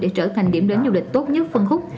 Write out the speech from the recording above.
để trở thành điểm đến du lịch tốt nhất phân khúc